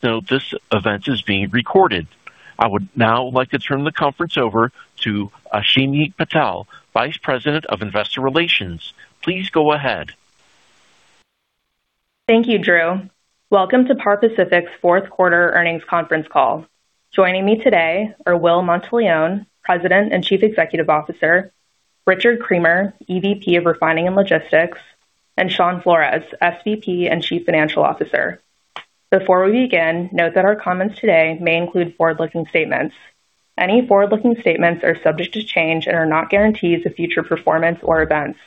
Please note this event is being recorded. I would now like to turn the conference over to Ashimi Patel, Vice President of Investor Relations. Please go ahead. Thank you, Drew. Welcome to Par Pacific's fourth quarter earnings conference call. Joining me today are Will Monteleone, President and Chief Executive Officer, Richard Creamer, EVP of Refining and Logistics, and Shawn Flores, SVP and Chief Financial Officer. Before we begin, note that our comments today may include forward-looking statements. Any forward-looking statements are subject to change and are not guarantees of future performance or events.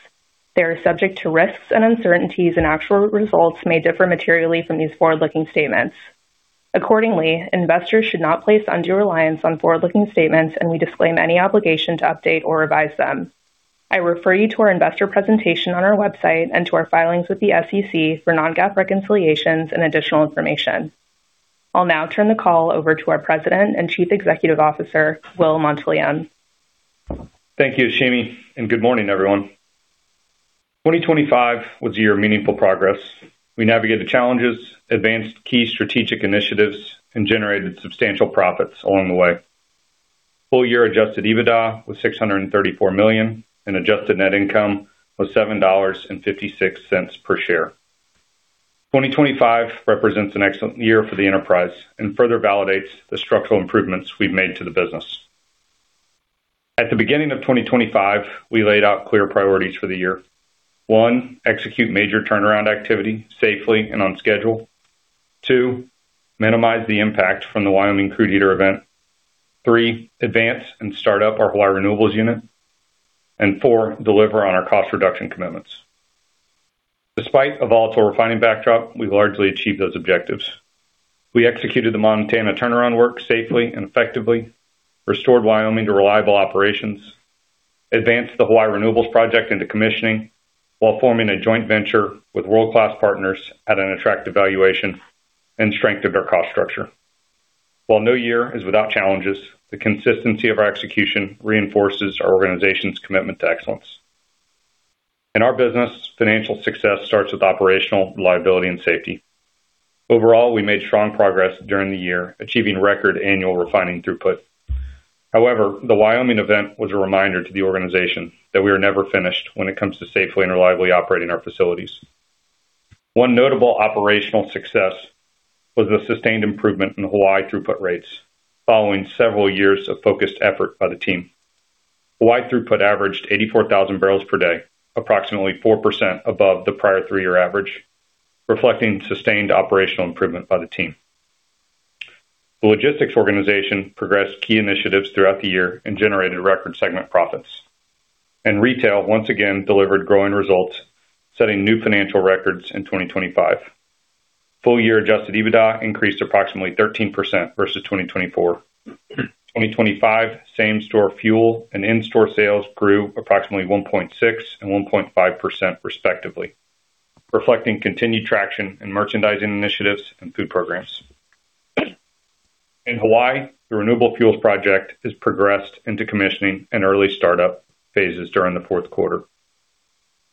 They are subject to risks and uncertainties, and actual results may differ materially from these forward-looking statements. Accordingly, investors should not place undue reliance on forward-looking statements, and we disclaim any obligation to update or revise them. I refer you to our investor presentation on our website and to our filings with the SEC for non-GAAP reconciliations and additional information. I'll now turn the call over to our President and Chief Executive Officer, Will Monteleone. Thank you, Ashimi. Good morning, everyone. 2025 was a year of meaningful progress. We navigated challenges, advanced key strategic initiatives, and generated substantial profits along the way. Full-year Adjusted EBITDA was $634 million, and Adjusted net income was $7.56 per share. 2025 represents an excellent year for the enterprise and further validates the structural improvements we've made to the business. At the beginning of 2025, we laid out clear priorities for the year. One, execute major turnaround activity safely and on schedule. Two, minimize the impact from the Wyoming crude heater event. Three, advance and start up our Hawaii renewables unit. Four, deliver on our cost reduction commitments. Despite a volatile refining backdrop, we largely achieved those objectives. We executed the Montana turnaround work safely and effectively, restored Wyoming to reliable operations, advanced the Hawaii renewables project into commissioning, while forming a joint venture with world-class partners at an attractive valuation and strengthened our cost structure. While no year is without challenges, the consistency of our execution reinforces our organization's commitment to excellence. In our business, financial success starts with operational reliability and safety. Overall, we made strong progress during the year, achieving record annual refining throughput. However, the Wyoming event was a reminder to the organization that we are never finished when it comes to safely and reliably operating our facilities. One notable operational success was the sustained improvement in Hawaii throughput rates following several years of focused effort by the team. Hawaii throughput averaged 84,000 barrels per day, approximately 4% above the prior three-year average, reflecting sustained operational improvement by the team. The logistics organization progressed key initiatives throughout the year and generated record segment profits. Retail once again delivered growing results, setting new financial records in 2025. Full-year Adjusted EBITDA increased approximately 13% versus 2024. 2025 same-store fuel and in-store sales grew approximately 1.6 and 1.5%, respectively, reflecting continued traction in merchandising initiatives and food programs. In Hawaii, the renewable fuels project is progressed into commissioning and early start-up phases during the fourth quarter.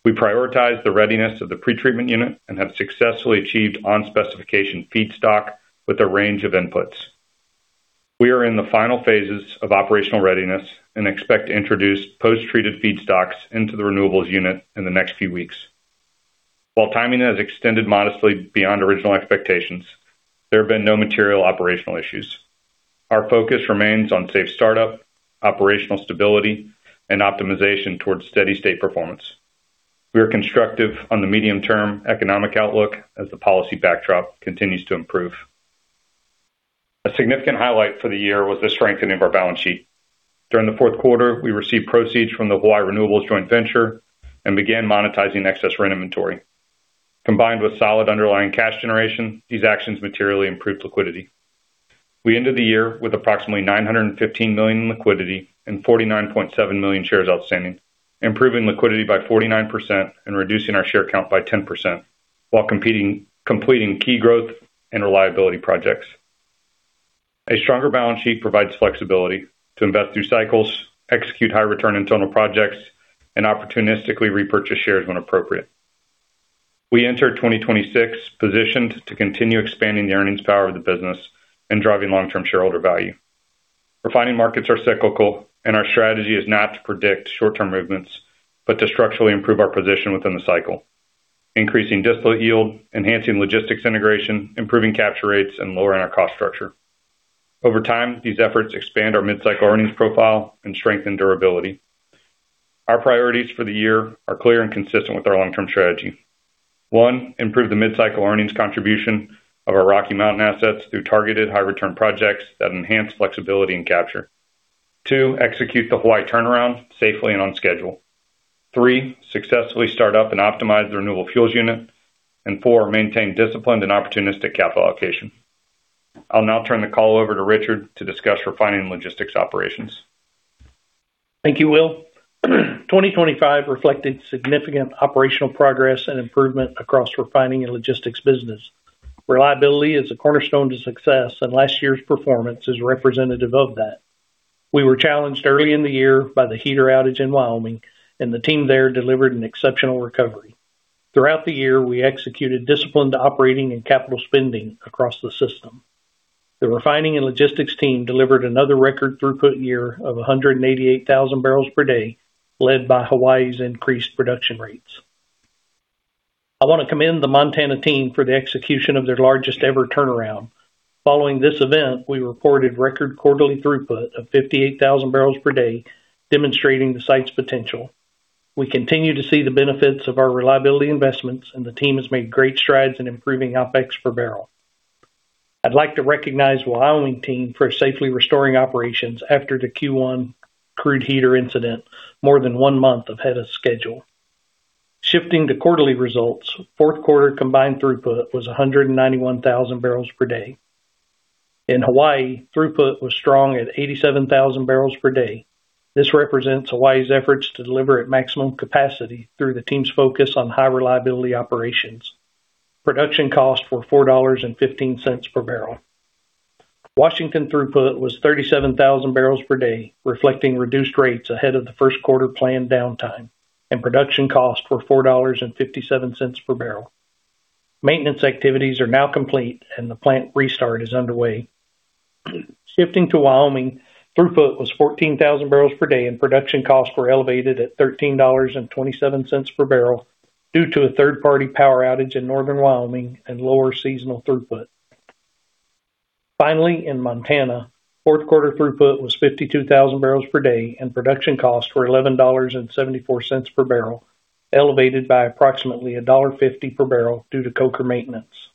We prioritized the readiness of the pretreatment unit and have successfully achieved on-specification feedstock with a range of inputs. We are in the final phases of operational readiness and expect to introduce post-treated feedstocks into the renewables unit in the next few weeks. While timing has extended modestly beyond original expectations, there have been no material operational issues. Our focus remains on safe startup, operational stability, and optimization towards steady-state performance. We are constructive on the medium-term economic outlook as the policy backdrop continues to improve. A significant highlight for the year was the strengthening of our balance sheet. During the fourth quarter, we received proceeds from the Hawaii renewables joint venture and began monetizing excess rent inventory. Combined with solid underlying cash generation, these actions materially improved liquidity. We ended the year with approximately $915 million in liquidity and $49.7 million shares outstanding, improving liquidity by 49% and reducing our share count by 10%, while completing key growth and reliability projects. A stronger balance sheet provides flexibility to invest through cycles, execute high return internal projects, and opportunistically repurchase shares when appropriate. We enter 2026 positioned to continue expanding the earnings power of the business and driving long-term shareholder value. Refining markets are cyclical, and our strategy is not to predict short-term movements, but to structurally improve our position within the cycle, increasing distillate yield, enhancing logistics integration, improving capture rates, and lowering our cost structure. Over time, these efforts expand our mid-cycle earnings profile and strengthen durability. Our priorities for the year are clear and consistent with our long-term strategy. One, improve the mid-cycle earnings contribution of our Rocky Mountain assets through targeted high-return projects that enhance flexibility and capture. Two, execute the Hawaii turnaround safely and on schedule. Three, successfully start up and optimize the renewable fuels unit. Four, maintain disciplined and opportunistic capital allocation. I'll now turn the call over to Richard to discuss refining logistics operations. Thank you, Will. 2025 reflected significant operational progress and improvement across refining and logistics business. Reliability is a cornerstone to success. Last year's performance is representative of that. We were challenged early in the year by the heater outage in Wyoming. The team there delivered an exceptional recovery. Throughout the year, we executed disciplined operating and capital spending across the system. The refining and logistics team delivered another record throughput year of 188,000 barrels per day, led by Hawaii's increased production rates. I want to commend the Montana team for the execution of their largest-ever turnaround. Following this event, we reported record quarterly throughput of 58,000 barrels per day, demonstrating the site's potential. We continue to see the benefits of our reliability investments. The team has made great strides in improving OpEx per barrel. I'd like to recognize Wyoming team for safely restoring operations after the Q1 crude heater incident, more than one month ahead of schedule. Shifting to quarterly results, fourth quarter combined throughput was 191,000 barrels per day. In Hawaii, throughput was strong at 87,000 barrels per day. This represents Hawaii's efforts to deliver at maximum capacity through the team's focus on high reliability operations. Production costs were $4.15 per barrel. Washington throughput was 37,000 barrels per day, reflecting reduced rates ahead of the first quarter planned downtime, and production costs were $4.57 per barrel. Maintenance activities are now complete and the plant restart is underway. Shifting to Wyoming, throughput was 14,000 barrels per day, and production costs were elevated at $13.27 per barrel due to a third-party power outage in northern Wyoming and lower seasonal throughput. Finally, in Montana, fourth quarter throughput was 52,000 barrels per day, and production costs were $11.74 per barrel, elevated by approximately $1.50 per barrel due to coker maintenance.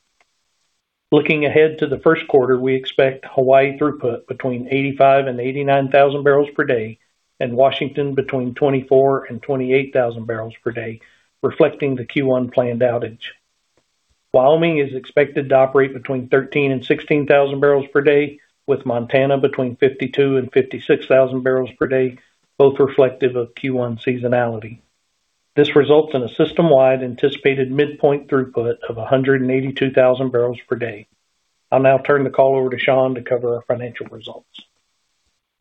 Looking ahead to the first quarter, we expect Hawaii throughput between 85,000 and 89,000 barrels per day, and Washington between 24,000 and 28,000 barrels per day, reflecting the Q1 planned outage. Wyoming is expected to operate between 13,000 and 16,000 barrels per day, with Montana between 52,000 and 56,000 barrels per day, both reflective of Q1 seasonality. This results in a system-wide anticipated midpoint throughput of 182,000 barrels per day. I'll now turn the call over to Shawn to cover our financial results.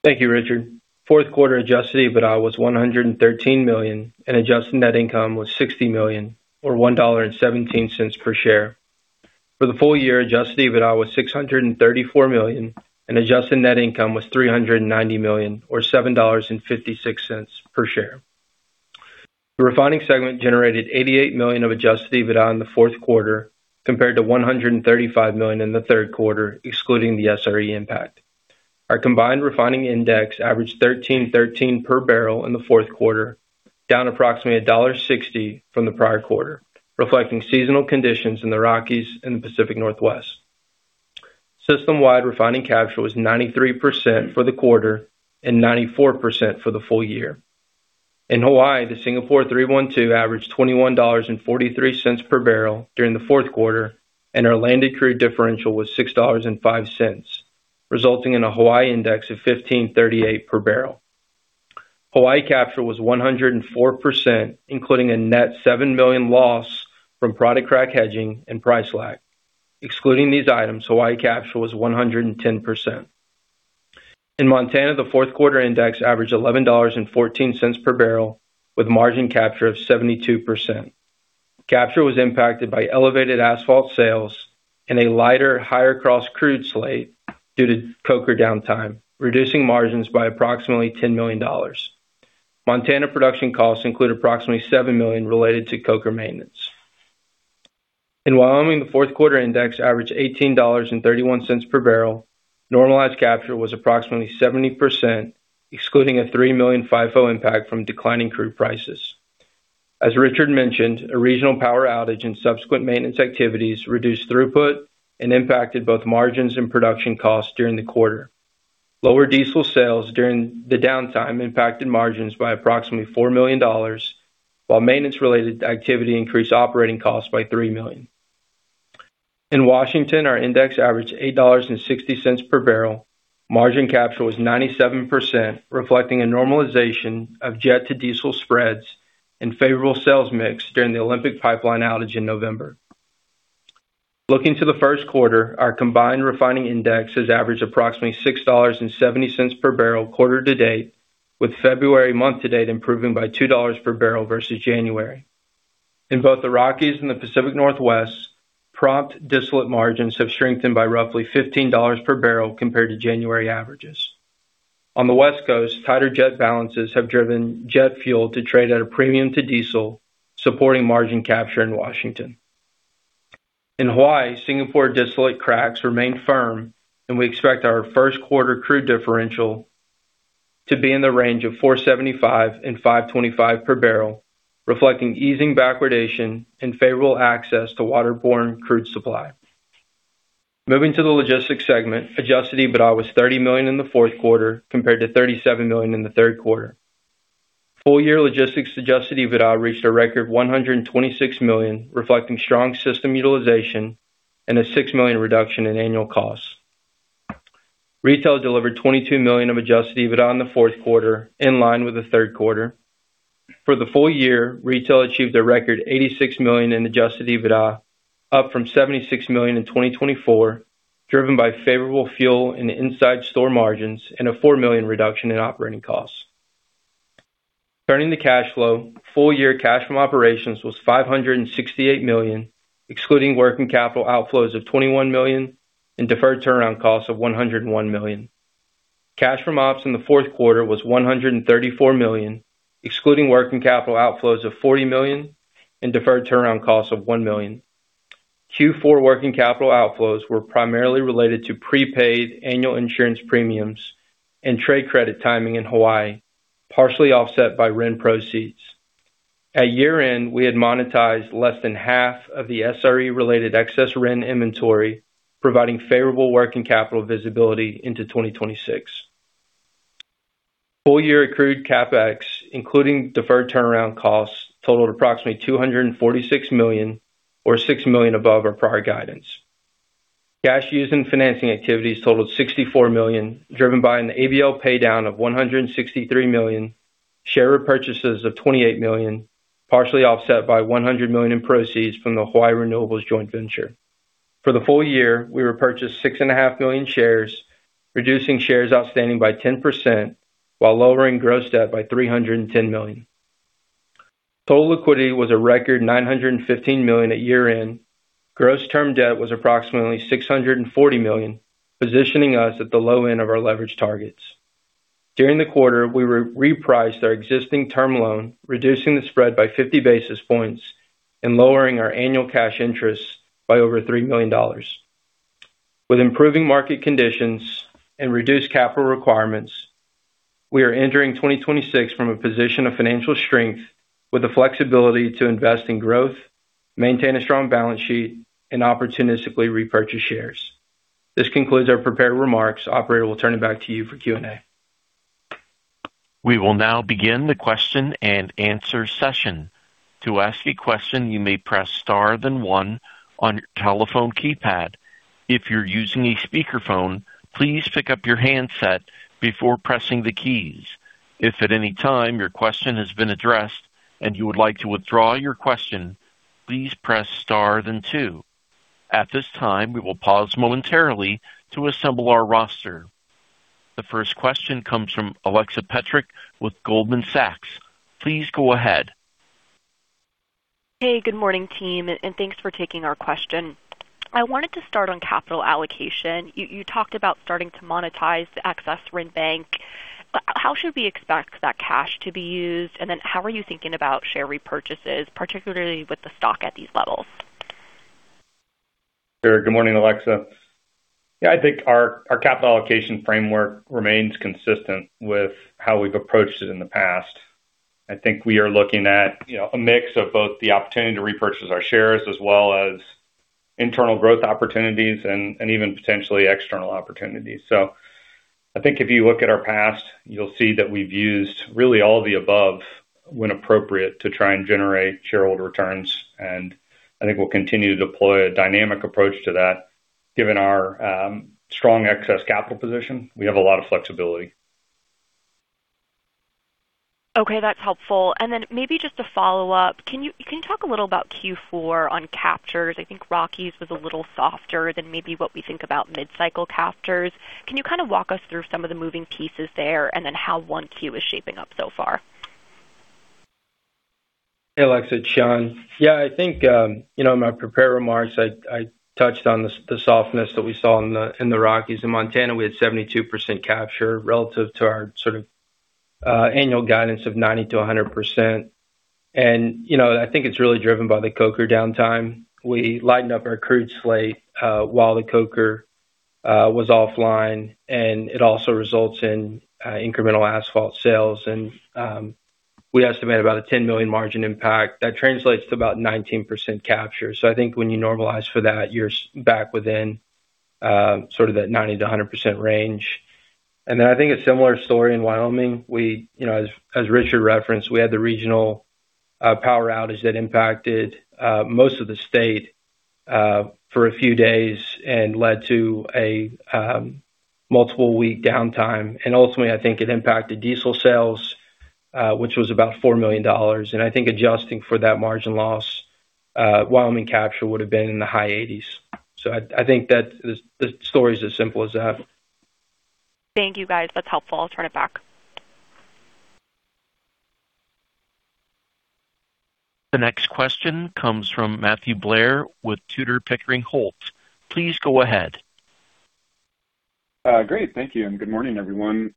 Thank you, Richard. Fourth quarter Adjusted EBITDA was $113 million, and Adjusted net income was $60 million, or $1.17 per share. For the full year, Adjusted EBITDA was $634 million, and Adjusted net income was $390 million, or $7.56 per share. The refining segment generated $88 million of Adjusted EBITDA in the fourth quarter, compared to $135 million in the third quarter, excluding the SRE impact. Our combined refining index averaged $13.13 per barrel in the fourth quarter, down approximately $1.60 from the prior quarter, reflecting seasonal conditions in the Rockies and the Pacific Northwest. System-wide refining capture was 93% for the quarter and 94% for the full year. In Hawaii, the Singapore 3-1-2 averaged $21.43 per barrel during the fourth quarter, and our landed crude differential was $6.05, resulting in a Hawaii Index of $15.38 per barrel. Hawaii capture was 104%, including a net $7 million loss from product crack hedging and price lag. Excluding these items, Hawaii capture was 110%. In Montana, the fourth quarter index averaged $11.14 per barrel, with margin capture of 72%. Capture was impacted by elevated asphalt sales and a lighter, higher cross crude slate due to coker downtime, reducing margins by approximately $10 million. Montana production costs include approximately $7 million related to coker maintenance. In Wyoming, the fourth quarter index averaged $18.31 per barrel. Normalized capture was approximately 70%, excluding a $3 million FIFO impact from declining crude prices. As Richard mentioned, a regional power outage and subsequent maintenance activities reduced throughput and impacted both margins and production costs during the quarter. Lower diesel sales during the downtime impacted margins by approximately $4 million, while maintenance-related activity increased operating costs by $3 million. In Washington, our index averaged $8.60 per barrel. Margin capture was 97%, reflecting a normalization of jet-to-diesel spreads and favorable sales mix during the Olympic pipeline outage in November. Looking to the first quarter, our combined refining index has averaged approximately $6.70 per barrel quarter to date, with February month to date improving by $2 per barrel versus January. In both the Rockies and the Pacific Northwest, prompt distillate margins have strengthened by roughly $15 per barrel compared to January averages. On the West Coast, tighter jet balances have driven jet fuel to trade at a premium to diesel, supporting margin capture in Washington. In Hawaii, Singapore distillate cracks remain firm, and we expect our first quarter crude differential to be in the range of $4.75-$5.25 per barrel, reflecting easing backwardation and favorable access to waterborne crude supply. Moving to the logistics segment, Adjusted EBITDA was $30 million in the fourth quarter, compared to $37 million in the third quarter. Full-year logistics Adjusted EBITDA reached a record $126 million, reflecting strong system utilization and a $6 million reduction in annual costs. Retail delivered $22 million of Adjusted EBITDA in the fourth quarter, in line with the third quarter. For the full year, retail achieved a record $86 million in Adjusted EBITDA, up from $76 million in 2024, driven by favorable fuel and inside store margins and a $4 million reduction in operating costs. Turning to cash flow, full year cash from operations was $568 million, excluding working capital outflows of $21 million and deferred turnaround costs of $101 million. Cash from ops in the fourth quarter was $134 million, excluding working capital outflows of $40 million and deferred turnaround costs of $1 million. Q4 working capital outflows were primarily related to prepaid annual insurance premiums and trade credit timing in Hawaii, partially offset by RIN proceeds. At year-end, we had monetized less than half of the SRE-related excess RIN inventory, providing favorable working capital visibility into 2026. Full year accrued CapEx, including deferred turnaround costs, totaled approximately $246 million, or $6 million above our prior guidance. Cash used in financing activities totaled $64 million, driven by an ABL paydown of $163 million, share repurchases of $28 million, partially offset by $100 million in proceeds from the Hawaii Renewables joint venture. For the full year, we repurchased 6.5 million shares, reducing shares outstanding by 10%, while lowering gross debt by $310 million. Total liquidity was a record $915 million at year-end. Gross term debt was approximately $640 million, positioning us at the low end of our leverage targets. During the quarter, we repriced our existing term loan, reducing the spread by 50 basis points and lowering our annual cash interest by over $3 million. With improving market conditions and reduced capital requirements, we are entering 2026 from a position of financial strength with the flexibility to invest in growth, maintain a strong balance sheet, and opportunistically repurchase shares. This concludes our prepared remarks. Operator, we'll turn it back to you for Q&A. We will now begin the question and answer session. To ask a question, you may press star than one on your telephone keypad. If you're using a speakerphone, please pick up your handset before pressing the keys. If at any time your question has been addressed and you would like to withdraw your question, please press star than two. At this time, we will pause momentarily to assemble our roster. The first question comes from Alexa Petrick with Goldman Sachs. Please go ahead. Hey, good morning, team, and thanks for taking our question. I wanted to start on capital allocation. You talked about starting to monetize the excess RIN bank. How should we expect that cash to be used? How are you thinking about share repurchases, particularly with the stock at these levels? Sure. Good morning, Alexa. Yeah, I think our capital allocation framework remains consistent with how we've approached it in the past. I think we are looking at, you know, a mix of both the opportunity to repurchase our shares, as well as internal growth opportunities and even potentially external opportunities. I think if you look at our past, you'll see that we've used really all of the above, when appropriate, to try and generate shareholder returns, and I think we'll continue to deploy a dynamic approach to that. Given our strong excess capital position, we have a lot of flexibility. Okay, that's helpful. Then maybe just a follow-up. Can you talk a little about Q4 on captures? I think Rockies was a little softer than maybe what we think about mid-cycle captures. Can you kind of walk us through some of the moving pieces there, and then how 1Q is shaping up so far? Hey, Alexa, it's Shawn. Yeah, I think, you know, in my prepared remarks, I touched on the softness that we saw in the, in the Rockies. In Montana, we had 72% capture relative to our sort of annual guidance of 90%-100%. You know, I think it's really driven by the coker downtime. We lightened up our crude slate while the coker was offline, and it also results in incremental asphalt sales. We estimate about a $10 million margin impact. That translates to about 19% capture. I think when you normalize for that, you're back within sort of that 90%-100% range. I think a similar story in Wyoming. you know, as Richard referenced, we had the regional power outage that impacted most of the state for a few days and led to a multiple week downtime. Ultimately, I think it impacted diesel sales, which was about $4 million. I think adjusting for that margin loss, Wyoming capture would have been in the high 80s. I think that the story's as simple as that. Thank you, guys. That's helpful. I'll turn it back. The next question comes from Matthew Blair with Tudor, Pickering, Holt. Please go ahead. Great. Thank you. Good morning, everyone.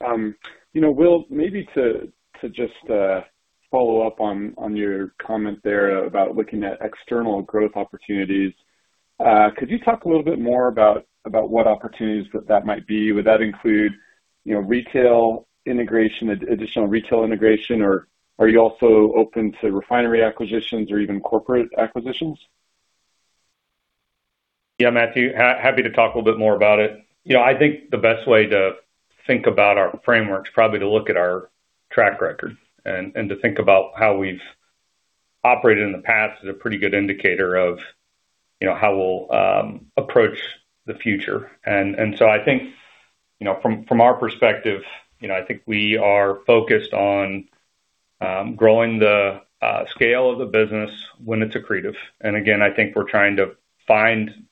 You know, Will, maybe to just follow up on your comment there about looking at external growth opportunities. Could you talk a little bit more about what opportunities that might be? Would that include, you know, retail integration, additional retail integration, or are you also open to refinery acquisitions or even corporate acquisitions? Yeah, Matthew, happy to talk a little bit more about it. You know, I think the best way to think about our framework is probably to look at our track record and to think about how we've operated in the past is a pretty good indicator of, you know, how we'll approach the future. I think, you know, from our perspective, you know, I think we are focused on growing the scale of the business when it's accretive. And again, I think we're trying to find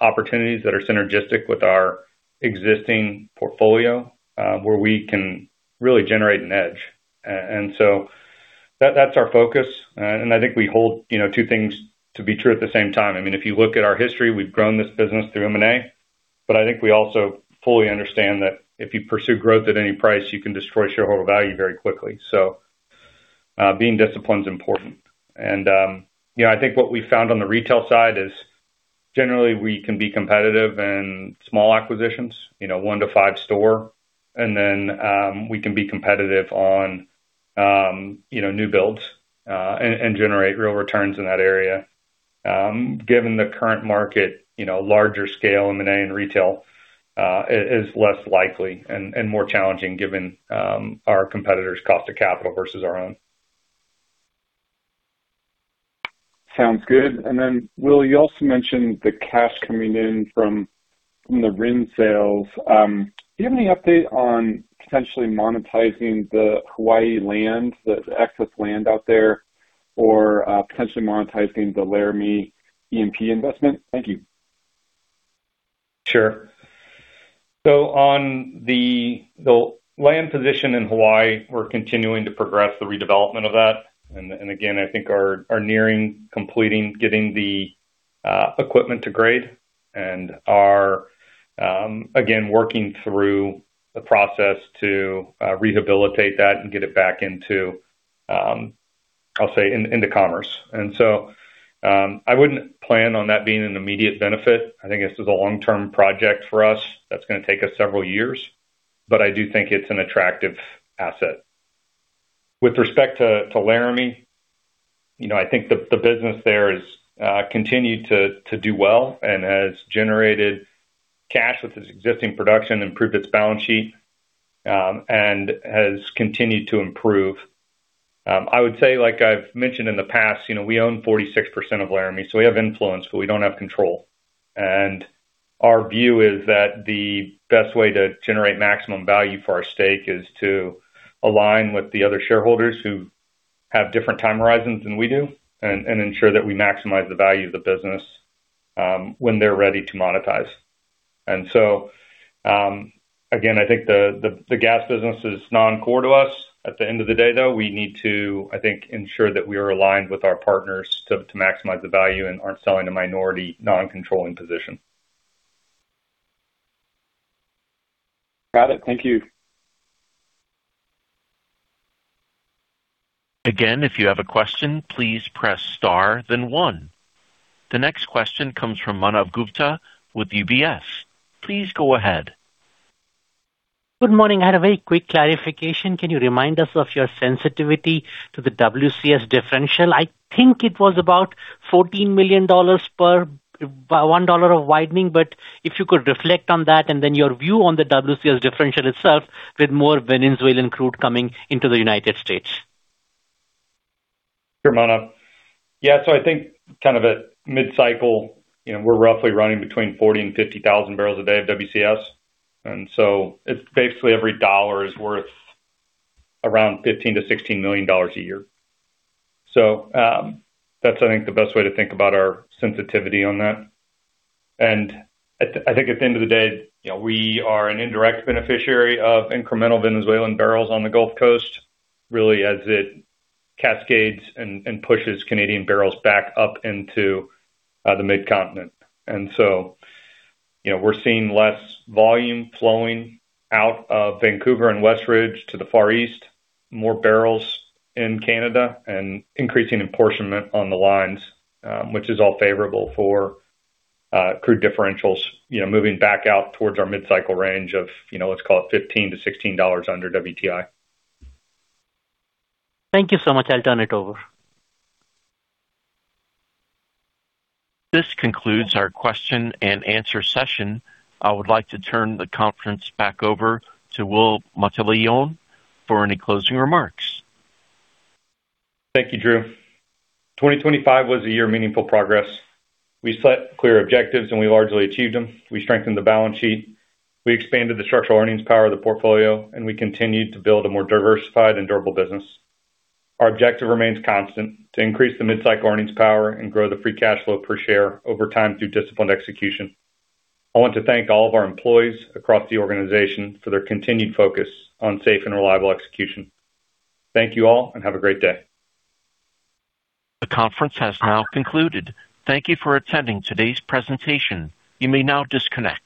opportunities that are synergistic with our existing portfolio, where we can really generate an edge. That's our focus. I think we hold, you know, two things to be true at the same time. I mean, if you look at our history, we've grown this business through M&A, but I think we also fully understand that if you pursue growth at any price, you can destroy shareholder value very quickly. Being disciplined is important. You know, I think what we found on the retail side is generally we can be competitive in small acquisitions, you know, one to five store, and then we can be competitive on, you know, new builds and generate real returns in that area. Given the current market, you know, larger scale M&A in retail is less likely and more challenging given our competitors' cost of capital versus our own. Sounds good. Will, you also mentioned the cash coming in from the RIN sales. Do you have any update on potentially monetizing the Hawaii land, the excess land out there, or potentially monetizing the Laramie E&P investment? Thank you. Sure. On the land position in Hawaii, we're continuing to progress the redevelopment of that, and again, I think are nearing completing, getting the equipment to grade and are again working through the process to rehabilitate that and get it back into, I'll say, into commerce. I wouldn't plan on that being an immediate benefit. I think this is a long-term project for us that's gonna take us several years, but I do think it's an attractive asset. With respect to Laramie, you know, I think the business there has continued to do well and has generated cash with its existing production, improved its balance sheet, and has continued to improve. I would say, like I've mentioned in the past, you know, we own 46% of Laramie, so we have influence, but we don't have control. Our view is that the best way to generate maximum value for our stake is to align with the other shareholders who have different time horizons than we do and ensure that we maximize the value of the business when they're ready to monetize. Again, I think the gas business is non-core to us. At the end of the day, though, we need to, I think, ensure that we are aligned with our partners to maximize the value and aren't selling a minority non-controlling position. Got it. Thank you. Again, if you have a question, please press star, then one. The next question comes from Manav Gupta with UBS. Please go ahead. Good morning. I had a very quick clarification. Can you remind us of your sensitivity to the WCS differential? I think it was about $14 million by $1 of widening. If you could reflect on that, and then your view on the WCS differential itself, with more Venezuelan crude coming into the United States. Sure, Manav. I think kind of at mid-cycle, you know, we're roughly running between 40,000-50,000 barrels a day of WCS, and so it's basically every dollar is worth around $15 million-$16 million a year. That's, I think, the best way to think about our sensitivity on that. At, I think at the end of the day, you know, we are an indirect beneficiary of incremental Venezuelan barrels on the Gulf Coast, really, as it cascades and pushes Canadian barrels back up into the mid-continent. You know, we're seeing less volume flowing out of Vancouver and Westridge to the Far East, more barrels in Canada, and increasing apportionment on the lines, which is all favorable for crude differentials, you know, moving back out towards our mid-cycle range of, you know, let's call it $15-$16 under WTI. Thank you so much. I'll turn it over. This concludes our question and answer session. I would like to turn the conference back over to Will Monteleone for any closing remarks. Thank you, Drew. 2025 was a year of meaningful progress. We set clear objectives, we largely achieved them. We strengthened the balance sheet, we expanded the structural earnings power of the portfolio, and we continued to build a more diversified and durable business. Our objective remains constant, to increase the mid-cycle earnings power and grow the free cash flow per share over time through disciplined execution. I want to thank all of our employees across the organization for their continued focus on safe and reliable execution. Thank you all, have a great day. The conference has now concluded. Thank Thank you for attending today's presentation. You may now disconnect.